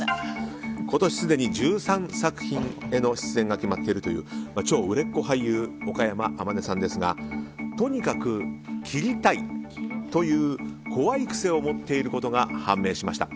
今年すでに１３作品への出演が決まっているという超売れっ子俳優岡山天音さんですがとにかく切りたいという怖い癖を持っていることが判明しました。